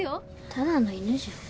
ただの犬じゃん。